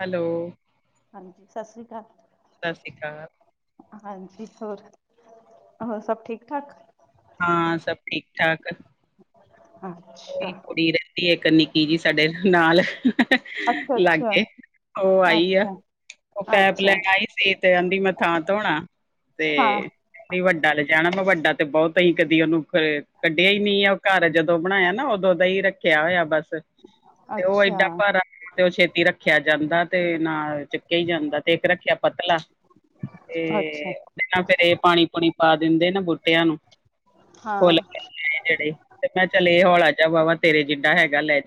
Hello ਹਾਂਜੀ ਸਤਿ ਸ਼੍ਰੀ ਅਕਾਲ ਸਤਿ ਸ਼੍ਰੀ ਅਕਾਲ ਹਾਂਜੀ ਹੋਰ ਹੋਰ ਸਭ ਠੀਕ ਠਾਕ ਹਾਂ ਸਭ ਠੀਕ-ਠਾਕ ਅਭੀ ਫੋਨ ਕਰਤੇ ਹ ਭਗਵਾਨ ਕੋ ਕੀ ਬਾਰਿਸ਼ ਕਰਦ ਅੱਛਾ ਕੁੜੀ ਰਹਿੰਦੀ ਇੱਕ ਨਿਕੀ ਜੀ ਸਾਡੇ ਨਾਲ ਅੱਛਾ ਲਾਗੇ ਉਹ ਆਈ ਆ ਅੱਛਾ ਅੱਛਾ ਅੱਛਾ ਦੀ ਮੈਂ ਥਾਂ ਧੋਣਾ ਤੇ ਹਾਂ ਨਹੀਂ ਵੱਡਾ ਲਜਾਣਾ ਮੈਂ ਵੱਡਾ ਤੇ ਬਹੁਤ ਹੀ ਕਦੀ ਉਹਨੂੰ ਕੱਢਿਆ ਹੀ ਨਹੀਂ ਉਹ ਘਰ ਜਦੋਂ ਰੱਖਿਆ ਹੋਇਆ ਬਸ ਤੇ ਉਹ ਅੱਛਾ ਇਦਾਂ ਭਰ ਛੇਤੀ ਰੱਖਿਆ ਜਾਂਦਾ ਤੇ ਨਾਲ ਕਹੀ ਜਾਂਦਾ ਤੇ ਇੱਕ ਰੱਖਿਆ ਪਤਲਾ ਅੱਛਾ ਫਿਰੇ ਪਾਣੀ ਪਾਣੀ ਪਾ ਦਿੰਦੇ ਨਾ ਬੂਟਿਆਂ ਨੂੰ ਫੁੱਲ ਹਾਂ ਚਲੇ ਹਾਲ ਆਜਾ ਬਾਬਾ ਤੇਰੇ ਜਿਡਾ ਹੈਗਾ ਲੈ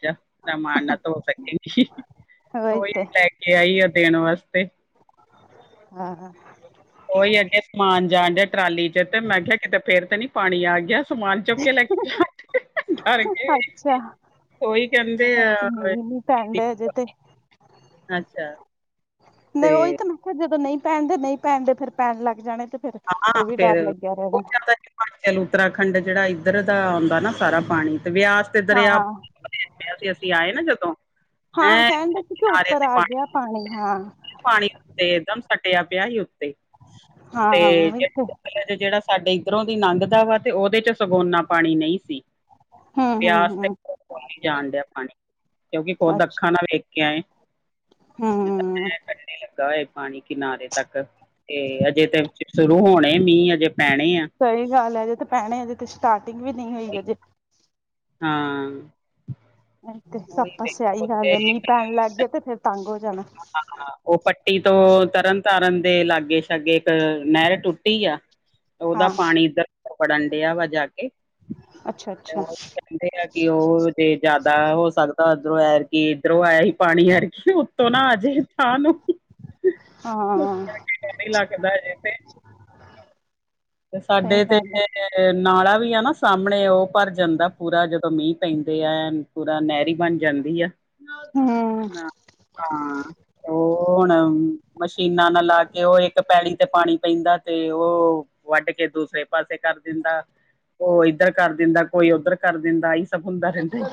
ਮਾਨਾ ਧੋ ਸਕੇ ਵਹੀ ਤੋ ਇਹ ਤੇ ਲੈ ਕੇ ਆਈ ਦੇਣ ਵਾਸਤੇ ਹਮ ਹਮ ਕੋਈ ਐਡੇ ਸਮਾਨ ਜਾਣ ਦੇ ਟਰਾਲੀ ਚ ਤੇ ਮੈਂ ਕਿਹਾ ਕਿਤੇ ਫੇਰ ਤੇ ਨਹੀਂ ਪਾਣੀ ਆ ਗਿਆ ਧਮਾਨ ਚੁੱਕ ਕੇ ਲੈ ਅੱਛਾ ਉਹੀ ਕਹਿੰਦੇ ਮੀਂਹ ਨੀ ਪੈਣ ਡਿਆ ਅਜੇ ਤੇ ਅੱਛਾ ਨਹੀਂ ਤੇ ਪੈਣ ਦੇ ਨਹੀਂ ਪੈਣ ਦੇ ਫਿਰ ਪੈਣ ਲੱਗ ਜਾਣੇ ਉਹ ਵੀ ਡਰ ਲੱਗਿਆ ਚਲੋ ਉੱਤਰਾਖੰਡ ਜਿਹੜਾ ਇਧਰ ਦਾ ਆਉਂਦਾ ਨਾ ਸਾਰਾ ਪਾਣੀ ਤੇ ਵਿਆ ਹਾਂ ਹਾਂ ਸੀ ਅਸੀਂ ਆਏ ਨਾ ਜਦੋਂ ਹਾਂ ਕਹਿਣ ਡੇ ਸੀ ਕਿ ਹੈਂਣੀ ਉੱਪਰ ਆ ਗਿਆ ਪਾਣੀ ਹਾਂ ਪਾਣੀ ਉਤੇ ਇਕ ਦਮ ਸੱਟਿਆ ਪਿਆ ਸੀ, ਉੱਤੇ ਹਾਂ ਤੇ ਉਹੀ ਜੇ ਜਿਹੜਾ ਸਾਡੇ ਇੱਧਰੋਂ ਦੀ ਲੰਘਦਾ ਵਾ, ਤੇ ਉਹਦੇ ਚ ਸਗੋ ਏਨਾ ਪਾਣੀ ਨਹੀਂ ਸੀ। ਹੂੰ ਹੂੰ ਬਿਆਸ ਤੇ ਹੂੰ ਜਾਣ ਡਿਆ ਪਾਣੀ, ਕਿਉਂਕਿ ਖੁਦ ਅੱਛਾ ਅੱਖਾਂ ਨਾ ਵੇਖ ਹੂੰ ਲੱਗਾ ਹੋਏ। ਪਾਣੀ ਸਹੀ ਗੱਲ ਹੈ ਹਜੇ ਤੇ ਪਹਿਣੇ ਹਜੇ ਤੇ ਸਟਾਰਟਿੰਗ ਵੀ ਨਹੀਂ ਹੋਈ ਅਜੇ ਹਾਂ। ਤੇ ਉਹੀ ਸੱਪਾ ਸਿਆਹੀ ਵੇਖੋ ਤੇ ਗੱਲ, ਮੀਂਹ ਪੈਣ ਲੱਗ ਗਏ ਤੇ ਫਿਰਰ ਤੰਗ ਹੋ ਜਾਣਾ, ਉਹ ਪੱਟੀ ਤੋਂ ਤਰਨ ਤਾਰਨ ਦੇ ਲਾਗੇ-ਸ਼ਾਗੇ ਇੱਕ ਨਹਿਰ ਟੁੱਟੀ ਆ। [inaudible] ਉਹਦਾ ਪਾਣੀ ਇੱਧਰ ਵੜਨ ਡਿਆ ਵਾ, ਜਾ ਕੇ ਅੱਛਾ ਤੇ ਅੱਛਾ ਕਹਿੰਦੇ ਆ ਕਿ ਉਹ ਜੇ ਜ਼ਿਆਦਾ ਹੋ ਸਕਦਾ, ਉਧਰੋਂ ਐਰ ਕੀ, ਇੱਧਰੋਂ ਆਇਆ ਹੀ ਪਾਣੀ ਐਰ ਕੀ [inaudible] ਹਾਂ ਸਹੀ ਸਾਡੇ ਤੇ ਗੱਲ ਹੈ ਏਨੇ ਨਾਲਾ ਵੀ ਆ ਨਾ ਸਾਹਮਣੇ ਉਹ ਭਰ ਜਾਂਦਾ ਪੂਰਾ ਜਦੋਂ ਮੀਂਹ ਪੈਂਦੇ ਆ ਪੂਰਾ ਨਹਿਰੀ ਬਣ ਜਾਂਦੀ ਆ ਹਮ ਨਾ ਹਾਂ ਉਹ ਹੁਣ ਮਸ਼ੀਨਾਂ ਨਾ ਲਾ ਕੇ ਉਹ ਇੱਕ ਪੈਲੀ ਤੇ ਪਾਣੀ ਪੈਂਦਾ ਤੇ ਉਹ ਵੱਡ ਕੇ ਦੂਸਰੇ ਪਾਸੇ ਕਰ ਦਿੰਦਾ ਉਹ ਇਧਰ ਕਰ ਦਿੰਦਾ ਕੋਈ ਉਧਰ ਕਰ ਦਿੰਦਾ ਸਭ ਹੁੰਦਾ ਰਹਿੰਦਾ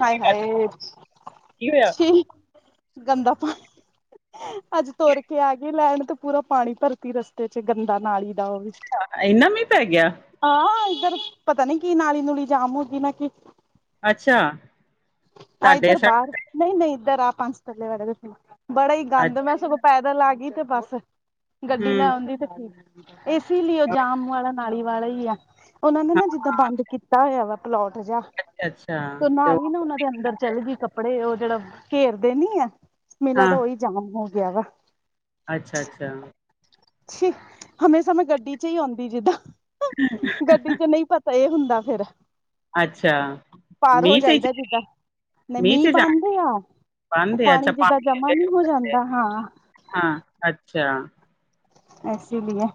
ਹਾਏ ਹਾਏ! ਕੀ ਹੋਇਆ? ਛੀ ਗੰਦਾ ਪਾਣੀ ਅੱਜ ਤੋਰ ਕੇ ਆ ਗਈ ਲੈਣ ਤੇ। ਪੂਰਾ ਪਾਣੀ ਭਰਤੀ, ਰਸਤੇ ਚ ਗੰਦਾ ਨਾਲੀ ਦਾ ਉਹ ਵੀ। ਇਨਾ ਮੀ ਪੈ ਗਿਆ! ਹਾਂ, ਇੱਧਰ ਪਤਾ ਨੀ ਕੀ ਨਾਲੀ-ਨੂਲੀ ਜਾਮ ਹੋਗੀ ਨਾ ਕੀ ਅੱਛਾ। ਆਹ, ਤੁਹਾਡੇ ਇੱਧਰ ਸਾਈਡ ਬਾਹਰ ਨਹੀਂ, ਨਹੀਂ ਏਧਰ [unintelligible] ਵਾਲੇ ਬੜਾ ਹੀ ਗੰਦ ਅੱਛਾ ਮੈਂ ਸਗੋਂ ਪੈਦਲ ਆ ਗਈ ਤੇ ਬਸ, ਗੱਡੀ ਲੈ ਹੂੰ ਆਉਂਦੀ ਤੇ ਠੀਕ ਸੀ। ਇਸਲੀਏ ਜਾਮ ਵਾਲਾ, ਨਾਲੀ ਵਾਲਾ ਹੀ ਆ। ਉਹਨਾਂ ਨੇ ਨਾ, ਜਿੱਦਾਂ ਹਾਂ ਬੰਦ ਕੀਤਾ ਹੋਇਆ ਵਾ ਪਲਾਟ ਜਿਹਾ ਅੱਛਾ ਤੇ ਨਾਲ ਹੀ ਉਹ ਨਾ ਉਹਨਾਂ ਅੰਦਰ ਚੱਲ ਗਈ ਕੱਪੜੇ ਉਹ ਜਿਹੜਾ ਘੇਰਦੇ ਨੀ ਆ, ਮੇਲਾ ਤਾਂ ਉਹੀ ਜਾਮ ਹੋ ਗਿਆ ਵਾ। ਅੱਛਾ-ਅੱਛਾ। ਹਮੇਸ਼ਾ ਮੈਂ ਗੱਡੀ ਚ ਹੀ ਆਉਂਦੀ ਜਿੱਦਾਂ [unintelligible] ਗੱਡੀ ਚ ਨਹੀਂ ਪਤਾ ਇਹ ਹੁੰਦਾ ਫਿਰ ਅੱਛਾ ਪਾਰ ਹੋ ਮੀਂਹ ਚ ਜਾਈਦਾ ਜਿੱਦਾਂ ਨਹੀਂ ਚ ਮੀਂਹ ਜਾਣ ਬਾਂਦੇ ਆ ਉਹ ਪਾਂਦੇ ਆ, ਅੱਛਾ ਪਾਣੀ ਜਿੱਦਾਂ ਜਮਾ ਨਹੀਂ ਹੋ ਜਾਂਦਾ ਹਾਂ। ਹਾਂ, ਅੱਛਾ। ਇਸੇ ਲੀਏ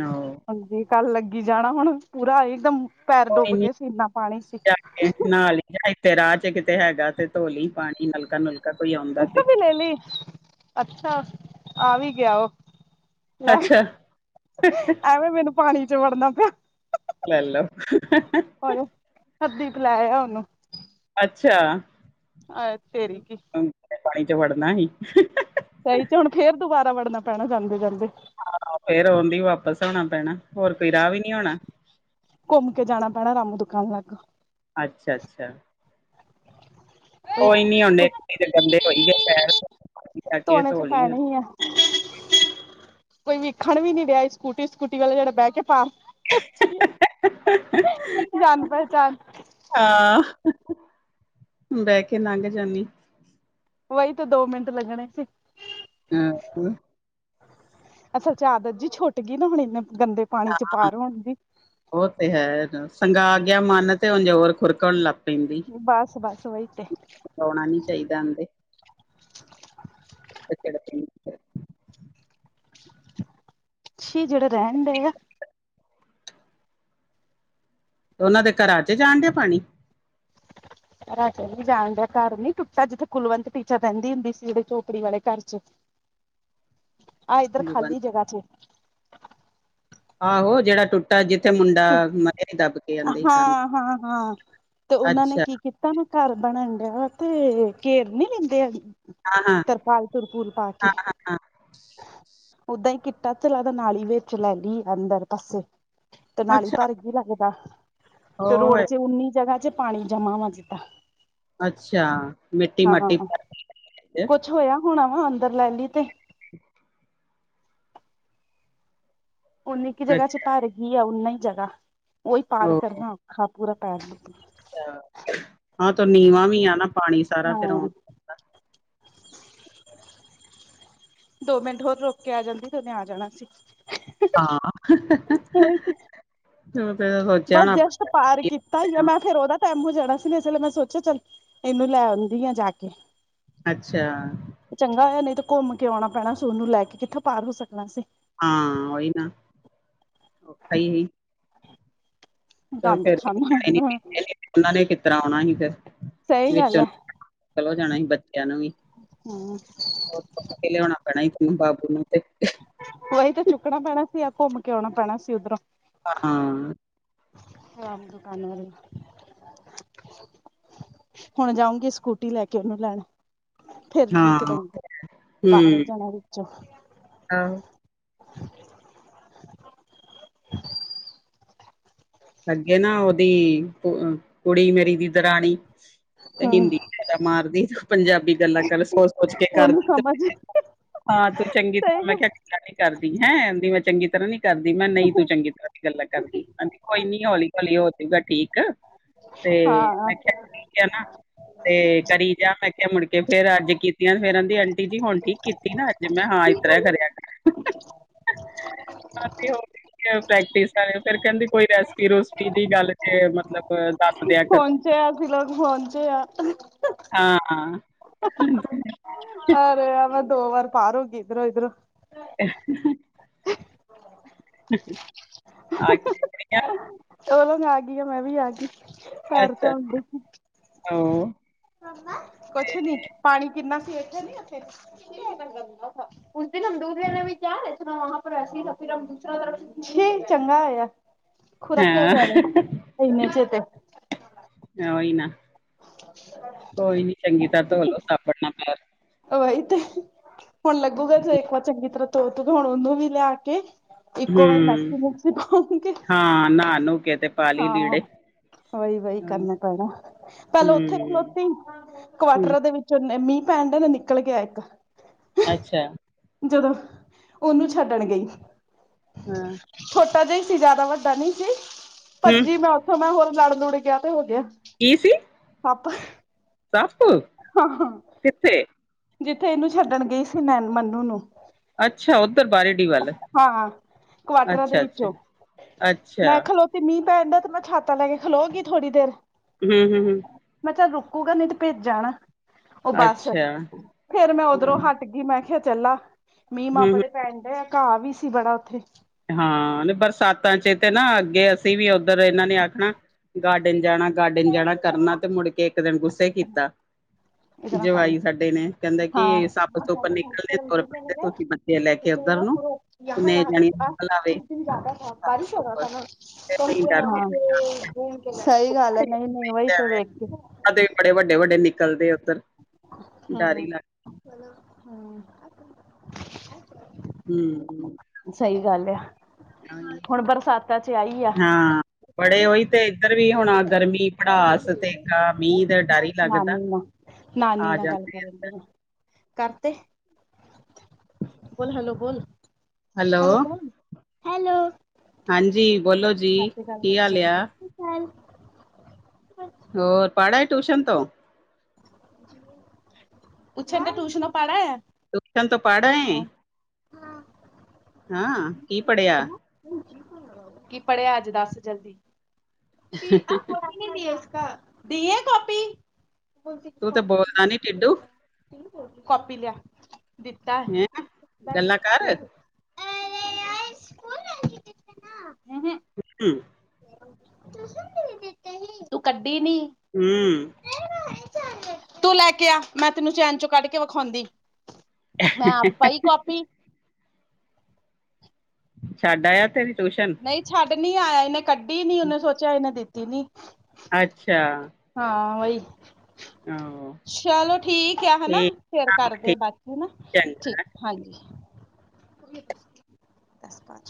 ਆਹੋ! ਹਾਂਜੀ, ਡਰ ਲੱਗੀ ਜਾਣਾ। ਹੁਣ ਪੂਰਾ ਇਕਦਮ ਪੈਰ ਕੋਈ ਡੁੱਬ ਨੀ ਕੇ ਸੀ, ਇੰਨਾ ਪਾਣੀ ਸੀ। ਜਾ ਨਾਲ ਹੀ ਜਾਂ ਇੱਥੇ ਰਾਹ ਚ ਕਿਤੇ ਹੈਗਾ? ਤੇ ਧੋਲੀ ਪਾਣੀ ਨਲਕਾ ਨੂੰ ਉਸ ਤੋ ਵੀ ਲੈ ਲੀ, ਅੱਛਾ! ਆ ਵੀ ਗਿਆ ਉਹ ਲੈ, ਅੱਛਾ ਐਵੇਂ ਮੈਨੂੰ ਪਾਣੀ ਚ ਵੜਨਾ ਪਿਆ। ਲੇਲੋ [unintelligible] [inaudible] ਅੱਛਾ, ਅ ਤੇਰੀ ਕੀ ਪਾਣੀ ਚ ਵੜਨਾ ਹੀ। ਸਈ ਚ ਹੁਣ ਫੇਰ ਦੁਬਾਰਾ ਵੜਨਾ ਪੈਣਾ ਜਾਂਦੇ, ਜਾਂਦੇ। ਫੇਰ ਓਨਾ ਵਾਪਿਸ ਆਣਾ ਪੈਣਾ, ਹੋਰ ਕੋਈ ਰਾਹ ਵੀ ਨਹੀਂ ਹੋਣਾ। ਘੁੰਮ ਕੇ ਜਾਣਾ ਪੈਣਾ। ਰਾਮੂ ਦੁਕਾਨ ਲੱਗ। ਅੱਛਾ ਅੱਛਾ। ਕੋਈ ਨੀ ਹੁਣ ਇਥੇ ਤੇ ਗੰਦੇ ਹੋਈ ਗਏ ਪੈਰ ਜਾ ਕੇ ਧੋਣੇ ਤੇ ਧੋ ਲਈ ਪੈਣੇ ਹੀ ਆ। ਕੋਈ ਵੇਖਣ ਵੀ ਨੀ ਰਿਹਾ। ਸਕੂਟੀ ਸਕੂਟੀ ਵਾਲੇ ਜਿਹੜਾ ਬਹਿ ਕੇ ਪਾ। ਜਾਣ ਪਹਿਚਾਣ। ਆਹ ਬਹਿ ਕੇ ਲੰਘ ਜਾਂਣੀ। ਵਹੀ ਤੇ ਦੋ ਮਿੰਟ ਲੱਗਣੇ ਸੀ। ਹਾਂ ਅੱਛਾ ਆਦਤ ਜੀ ਛੁੱਟ ਗਈ। ਨਾ ਹੁਣ ਇਨੇ ਗੰਦੇ ਪਾਣੀ ਚ ਪਾਰ ਹੋਣ ਜ। ਸੰਗਾ ਆ ਗਿਆ। ਮਨ ਤੇ ਹੁਣ ਜ਼ਰ ਖੁਰਕਣ ਲੱਗ। ਬੱਸ ਬੱਸ। ਵਹੀ ਤੇ। ਲਉਣਾ ਨੀ ਚਾਹੀਦਾ। ਕਿਚੜ ਤੋਂ। ਛ ਜਿਹੜਾ ਰਹਿਣ ਡ ਆ। ਤੇ ਉਹਨਾਂ ਦੇ ਘਰਾਂ 'ਚ ਜਾਣ ਡਿਆ ਪਾਣੀ। ਰਾਜਾ ਜਾਣ ਦੀਆ। ਘਰ ਨੀ ਟੁੱਟਾ। ਜਿੱਥੇ ਕੁਲਵੰਤ ਟੀਚਾ ਰਹਿੰਦੀ ਹੁੰਦੀ ਸੀ। ਜਿਹੇਝੋਪੜ ਵਾਲੇ ਘਰ '। ਆਹ, ਇੱਧਰ ਗਲੂਬੰਦ। ਖਾਲੀ ਜਗ੍ਹਾ ਚ ਆਹੋ, ਜਿਹੜਾ ਟੁੱਟ ਤਾਂ ਜਿੱਥੇ ਮੁੰਡਾ ਮਰੇ, ਦੱਬ ਕੇ ਆਂਦੇ ਕੰ ਹਾਂ ਅੱਛਾ। ਕਿਤਾ ਨਾ, ਘਰ ਬਣਨ ਡਿਆ ਵਾ ਤੇ ਘੇਰ ਨੀ ਲੈਂਦੇ। ਹਾਂ ਹਾਂ ਤਰਪਾਲ-ਤਰਪੂਲ ਪਾ ਕੇ। ਓਦਾਂ ਹੀ ਕਿੱਟਾ ਚਲਾ ਦਾ, ਨਾਲੀ ਵਿੱਚ ਲੈ ਲਈ ਅੰਦਰ ਪਾਸੇ। ਤੇ ਹਾਂ ਨਾਲੀ ਅੱਛਾ ਭਰ ਗਈ ਲੱਗਦਾ, ਤੇ ਉਹ ਰੋਡ ਚ ਉਨੀ ਜਗ੍ਹਾ ਚ ਪਾਣੀ ਜਮਾ ਹੋ ਦਿੱਤਾ। ਅੱਛਾ। ਮਿੱਟੀ ਹਾਂ। ਮਾਟੀ ਕੁਛ ਹੋਇਆ ਹੁਣਾ। ਵਾ ਅੰਦਰ ਲੈ ਲਈ ਤੇ। ਉਨੀ ਇੱਕ ਜਗ੍ਹਾ ਚ ਅੱਛਾ ਭਰ ਗਿਆ ਓਨਾ ਹੀ ਜਗ੍ਹਾ ਉਹੀ ਪਾਰ ਉਹ ਕਰਨਾ ਔਖਾ। ਪੂਰਾ ਪੈਰ ਲ। ਹਾਂ। ਤੇ ਨੀਵਾਂ ਵੀ ਆ ਨਾ। ਪਾਣੀ ਸਾਰਾ ਹਾਂ ਫਿਰ ਆਉਣ। ਦੋ ਮਿੰਟ ਹੋਰ ਰੋਕ ਕੇ ਆ ਜਾਂਦੀ ਤੇ। ਫਿਰ ਮੈਂ ਆ ਜਾਣਾ ਸੀ। ਹਾਂ। ਤੂੰ ਤੇ ਫਿਰ ਸੋਚਿਆ ਬਸ ਹੋਣਾ। ਜਸਟ ਪਾਰ ਆਪਣੇ ਕੀਤਾ ਹੀ ਆ। ਮੈਂ ਫਿਰ ਉਹਦਾ ਟਾਈਮ ਹੋ ਜਾਣਾ ਸੀ ਨਾ। ਇਸ ਵੇਲੇ ਮੈਂ ਸੋਚਿਆ ਚੱਲ। ਇਹਨੂੰ ਲੈ ਆਉਂਦੀ ਆ ਜਾ ਕੇ। ਅੱਛਾ। ਚੰਗਾ ਹੋਇਆ। ਨਹੀਂ ਤੇ ਘੁੰਮ ਕੇ ਆਉਣਾ ਪੈਣਾ ਸੀ। ਉਹਨੂੰ ਲੈ ਕੇ ਕਿੱਥੋਂ ਪਾਰ ਹੋ ਸਕਣਾ ਸੀ। ਹਾਂ। ਉਹੀ ਨਾ। ਔਖਾ ਹੀ ਸੀ। ਚਲ ਗੰਦ ਫਰ। ਖਾਨਾ ਉਹਨਾਂ ਨੇ ਕਿਸ ਤਰ੍ਹਾਂ ਆਉਣਾ ਸੀ ਫਿਰ। ਸਹੀ ਗੱਲ ਵਿੱਚੋਂ ਹੈ ਮੁਸ਼ਕਲ ਹੋ ਜਾਣਾ ਸੀ। ਬੱਚਿਆਂ ਨੂੰ ਵੀ ਹਮ ਲਿਆਣਾ। ਤੇ ਬਾਬੂ ਨੂੰ। ਵਹੀ ਤਾਂ ਚੁੱਕਣਾ ਪੈਣਾ ਸੀ। ਜਾਂ ਘੁੰਮ ਕੇ ਆਉਣਾ ਪੈਣਾ ਸੀ ਉੱਧਰੋਂ। ਹਾਂ। ਨਵਾਂ ਦੁਕਾਨਦਾਰ। ਹੁਣ ਜਾਊਂਗੀ। ਸਕੂਟੀ ਲੈ ਕੇ ਉਹਨੂੰ ਲੈਣ। ਫੇਿਰ ਠੀਕ ਹਾਂ ਰਹੂਗੀ। ਪਾਰ ਹੋ ਜਾਣਾ ਵਿੱਚੋਂ। ਹਾਂ। ਅੱਗੇ ਨਾ ਉਹਦੀ ਕੁੜੀ। ਮੇਰੀ ਦੀ ਦਰਾਣੀ। ਤੇ ਹਮ ਹਿੰਦੀ ਜ਼ਿਆਦਾ ਮਾਰਦੀ। ਪੰਜਾਬੀ ਗੱਲਾਂ ਕਰ। ਸੋਚ- ਸੋਚ ਕੇ ਉਹਨੂੰ ਕਰਦੀ। ਸਮਝ ਹਾਂ। ਤੂੰ ਚੰਗੀ ਸਹੀ ਤਰ੍ਹਾਂ। ਮੈਂ ਗੱਲ ਕਿਹਾੱਲ ਨੀ ਕਰਦੀ। ਹੈਂ ਕਦੀ ਮੈਂ ਚੰਗੀ ਤਰ੍ਹਾਂ ਨੀ ਕਰਦੀ ਮੈਂ ਨਹੀਂ ਤੂੰ ਚੰਗੀ ਤਰ੍ਹਾਂ। ਗੱਲਾਂ ਕਰਦੀ। ਹਾਂਜੀ। ਕੋਈ ਨਹੀ। ਹੌਲੀ-ਹੌਲੀ ਜਾਵੇਗੀ। ਠੀਕ। ਤੇ ਹਾਂ ਮੈਂ ਕਿਹਾ। ਨਾ ਤੇ ਕਰੀ ਜਾ। ਮੈਂ ਕਿਹਾ। ਮੁੜ ਕੇ ਫੇਰ ਅੱਜ ਕੀਤੀਆਂ। ਫੇਰ ਕਹਿੰਦੀ ਆਂਟੀ ਜੀ ਹੁਣ ਠੀਕ ਕੀਤੀ। ਨਾ ਅ ਜੇ ਮੈਂ ਹਾਂ। ਇਸਤਰਰ ਕਰਰਿਆ। ਹ। ਹਾਂ ਤੇ ਹੋਰ ਪ੍ਰੈਕਟਿਸ ਆ। ਫਿਰ ਕਹਿੰਦੀ। ਕੋਈ ਰੈਸਪੀ ਰੂਸਪੀ ਦੀ ਗੱਲ ਤੇ ਮਤਲਬ ਦੱਸ। ਦਿਆ ਕਰੋ ਪਹੁੰਚੇ ਆ। ਅਸੀਂ ਲੋਕ ਪਹੁੰਚੇ ਆ। ਹਾਂ-ਹਾਂ। ਅਰੇ ਆ ਮ ਦੋ ਵਾਰ ਪਾਰਗੀਰੋ ਅ [unintelligible] ਹਾਂ ਚਲੋ ਮੈਂ ਆ ਗਈ ਆ। ਮੈਂ ਵੀ ਆ ਗੀ ਅੱਛਾ ਅ ਹਾਂ। ਹਦਾ ਕੋਛ ਨੀ ਪਾਣੀ ਕਿੰਨਾ ਸੀ, ਇਥੇ ਨ ਉਸ ਦਿਨ ਹਮ ਦੂਸਰੇ ਨੇ ਵੀ ਕਿਹਾਿਆ [unintelligible] ਲ ਚ ਪਰ ਵੈਸੇ ਤਾਂ ਫਿਰ, ਦੂਸਰਾ ਤਰ ਚੰਗਾ ਯਾਰ ਹੋਏਆ ਖੁਰਾ ਕੇ ਹੋ ਹਾਂ ਜਾਣੇ, ਇਨੇ ਚਿਰਦੇ ਏਹੋ ਈ ਨਾ ਕੋਈ ਨੀ ਚੰਗੀ ਤਰਾ ਧੋਲੋ ਸੱਬਨ ਨਾਲ ਪੈਰ ਹੀ ਤੇ ਹੁਣ ਲੱਗੂਗਾ। ਜ ਇੱਕ ਵਾਰ ਚੰਗੀ ਤਰ੍ਹਾਂ ਤੋਤੂਗਾ। ਹੁਣ ਉਹਨੂੰ ਵੀ ਲਿਆ ਕੇ। ਇੱਕੋ ਵਾਰ ਹਮ ਮੈਕਸੀ ਮੁਕਸੀ ਪਾਉਂਗੇ ਹਾਂ। ਨਹਾ ਨ। ਕੇਤੇ ਪਾੀ ਲਏ। ਵਹੀ-ਵਹੀ ਕਰਨਾ ਪੈਣਾ। ਪਹਿਲ ਉੱਥੇ ਹੂੰ, ਖਲੋਤੀ ਹੂੰ ਕੁਆਰਟਰ ਦੇ ਵਿੱਚ। ਚ ਮੀਂਹ ਪੈਣ ਤੋਂ ਨਿਕਲ ਗਿਆ ਇੱਕ। ਅੱਛਾ। ਜਦੋਂ ਉਹਨੂੰ ਛੱਡਣ ਗਈ। ਹੈਂ ਜ ਸੀ ਜਿਆਦਾ ਵੱਡਾ ਨਹੀ ਸੀ। ਹੂੰ ਭੱਜੀ ਮੈਂ ਉੱਥੋਂ ਮੈਂ ਹੋਰ ਲੜ ਲੁੜ ਗਿਆ ਤੇ ਹੋ ਗਿਆ। ਈ ਸੀ। ਪਾਪ ਦਸ ਕੁ ਹਾਂ ਹਾਂ ਜਿੱਥੇ ਇਹਨੂੰ ਛੱਡਣ ਗਈ ਸੀ, ਮੈ ਮਨੂੰ ਨੂੰ। ਅੱਛਾ! ਉੱਧਰ ਬਾਰੇ ਹਾਂ ਕੁਆਟਰਾਂ ਦੇ ਅੱਛਾ, ਵਿੱਚੋਂ ਅੱਛਾ ਮੈਂ ਖਲੋ ਤੇ ਮੀਂਹ ਪੈਣਦਾ ਤੇ ਮੈਂ ਛਾਤਾ ਲੈ ਕੇ ਖਲੋਗੀ ਥੋੜ੍ਹੀ ਦੇਰ। ਹਂ-ਹਂ ਹਂ ਮੈਂ ਚੱਲ ਰੁਕੂਗਾ ਨਹੀਂ ਤੇ ਭੇਜ ਜਾਣਾ। ਉਹ ਬੱਸ ਅੱਛਾ ਫੇਰ ਮੈਂ ਹਾਂ, ਉਧਰੋਂ ਹਟ ਲੱਗੀ ਮੈਂ ਕਿਹਾ ਚੱਲਾ, ਮੀਹ-ਮਾਂਹ ਹੂੰ, ਹੂੰ ਬੜੇ ਪੈਣ ਡਏ ਹਾਂ, ਬਰਸਾਤਾਂ ਚ ਤੇ ਨਾ ਅੱਗੇ ਅਸੀਂ ਵੀ ਉੱਧਰ ਇਹਨਾਂ ਨੇ ਆਖਣਾ! ਗਾਰਡਨ ਜਾਣਾ, ਗਾਰਡਨ ਜਾਣਾ ਕਰਨਾ ਤੇ ਮੁੜ ਕੇ ਇੱਕ ਦਿਨ ਗੁੱਸੇ ਕੀਤਾ। ਇਹਦੇ ਨਾਲ ਪਾਣੀ ਜਵਾਈ ਸਾਡੇ ਨੇ, ਕਹਿੰਦੇ ਹਾਂ ਕਿ ਸੱਪ ਸੁੱਪ ਨਿਕਲਣੇ ਦ ਰੁਪਏ, ਤੁਸੀਂ ਬੱਚੇ ਲੈ ਕੇ ਤੁਰ ਪੈਂਦੇ ਉੱਧਰ ਨੂੰ। ਕਿੰਨੇ ਯਹਾਂ-ਯਹਾਂ ਤੱਕ ਆ, ਜਾਣੀਆਂ ਲਾਵੇ ਕੁਛ ਦਿਨ ਜ਼ਿਆਦਾ ਥ ਬਾਰਿਸ਼ ਹੋ ਰਹਾ ਥਾ ਨਾ। ਫਿਰ ਨਹੀਂ ਡਰਦੇ ਸਹੀ ਗੱਲ ਹੈ। ਨਹੀਂ ਨ ਤੇ ਵੇਖ ਕੇ ਦੇ ਬੜੇ ਵੱਡੇ-ਵੱਡੇ ਨਿਕਲਦੇ ਆ, ਉੱਧਰ ਡਰ ਹਮ, ਹੀ ਲੱਗ ਹਮ ਹਮ, ਗੱਲ ਆ ਹਮ ਹੁਣ ਬਰਸਾਤਾਂ ਚ ਆਈ ਆ। ਹਾਂ ਬੜੇ ਉਹੀ ਤੇ ਇੱਧਰ ਵੀ ਹੁਣ ਗਰਮੀ ਪੜਾਸ ਤੇਖਾ ਮੀਂਹ ਦਾ ਡਰ ਈ ਲੱਗਦਾ। ਨਾਨੀ ਨਾਲ ਨਾਨੀ ਆ ਨਾਲ ਗੱਲ ਜਾਂਦੇ ਕਰਨ ਇੱਧਰ। ਦੀ ਆ, ਕਰ ਤੇ ਬੋਲ ਹੈਲੋ, ਬੋਲ। ਹੈਲੋ ਹੈਲੋੋ, ਹੈਲੋ ਹਾਂਜੀ। ਬੋਲੋ ਜੀ, ਕੀ ਹਾਲੀਆ? ਹਨ ਹੋਰ ਪੜ੍ਹ ਆਏ। ਟਿਊਸ਼ਨ ਤੋਂ ਪੁੱਛਣ ਦਏ, ਟਊਸ਼ਨੋ ਪੜ੍ਹਾ ਆਇਆ? ਪੁਸ਼ਪ ਤੋਂ ਫੜ ਬੋਲ ਆਏ। ਹਾਂ ਹਾਂ। ਕੀ ਪੜ੍ਹਿਆ? ਕੀ ਪੜ੍ਹਿਆ ਅੱਜ ਦੱਸ ਜਲਦੀ ਦੀਏ ਕਾਪੀ ਤੂੰ ਤੇ ਬੋਲਦਾ ਨੀ ਟਿੱਡੂ ਕਾਪੀ ਲਿਆ, ਦਿੱਤਾ ਹੈਂ ਗੱਲਾਂ ਕਰ ਹ [inaudible] ਤੁਸੀ ਮੇਰੇ ਬੇਟੇ ਹੀ ਕੱਢੀ ਨੀ ਹੂੰ, ਤੂੰ ਲੈ ਕੇ ਆ, ਮੈਂ ਤੈਨੂੰ ਚੈਨ ਚੋਂ ਕੱਢ ਕੇ ਵਿਖਾਉਂਦੀ, ਮੈਂ ਆਪ ਪਾਈ ਕਾਪੀ ਛੱਡ ਆਇਆ ਤੇਰੀ ਟੂਸ਼ਨ ਨਹੀਂ ਛੱਡ ਨੀ ਆਇਆ ਇਹਨੇ ਕੱਢੀ ਨੀ ਉਹਨੇ ਸੋਚਿਆ ਇਹਨੇ ਦਿੱਤੀ ਨੀ ਅੱਛਾ, ਹਾਂ ਵਈ। ਆਹੋ ਚਾਲੋ ਠੀਕ ਆ। ਹਨਾ, ਠੀਕ ਫੇਰ ਆਹੋ ਕਰਦੇ ਠੀਕ ਬਾਦ ਚ। ਚੰਗਾ ਠੀਕ ਹਾਂਜੀ। ਦਸ ਪਾ